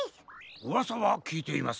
うわさはきいています。